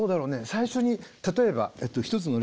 最初に例えば１つの例ね。